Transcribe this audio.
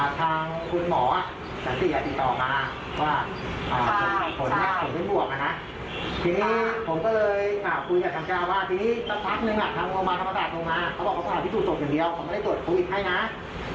ข้าจะเป็นศพอีกครั้งหนึ่งยังหากมีไปภารกิจแรงอย่างเดียวที่ไม่ได้ตรวจโควิดให้นะ